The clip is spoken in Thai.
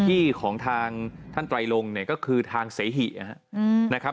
ที่ของทางท่านไตรลงเนี่ยก็คือทางเสหินะครับ